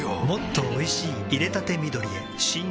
もっとおいしい淹れたて緑へ新！